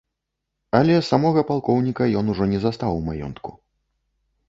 Але самога палкоўніка ён ужо не застаў у маёнтку.